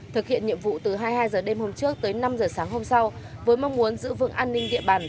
thực hiện nhiệm vụ từ hai mươi hai h đêm hôm trước tới năm h sáng hôm sau với mong muốn giữ vững an ninh địa bàn